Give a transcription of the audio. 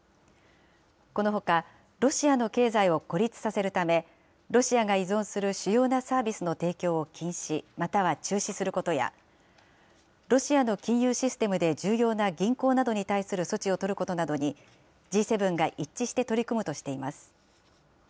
このほか、ロシアの経済を孤立させるため、ロシアが依存する主要なサービスの提供を禁止、または中止することや、ロシアの金融システムで重要な銀行などに対する措置を取ることなどに、Ｇ７が一致して取り組むとしています。